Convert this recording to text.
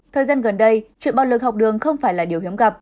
thời gian gần đây chuyện bạo lực học đường không phải là điều hiếm gặp